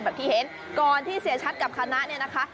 ที่เห็นก่อนที่เสียชัดกับคณะเนี่ยนะคะ